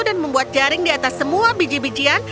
dan membuat jaring di atas semua biji bijian